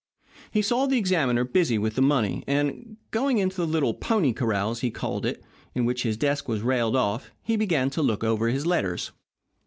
He saw the examiner busy with the money, and, going into the little "pony corral," as he called it, in which his desk was railed off, he began to look over his letters.